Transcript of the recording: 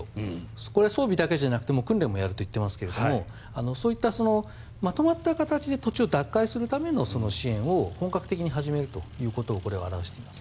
これは装備だけじゃなくて訓練もやるといっていますがそういったまとまった形で土地を奪還するための支援を本格的に始めるということをこれは表しています。